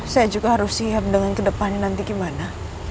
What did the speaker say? saya juga harus siap dengan kedepannya nanti gimana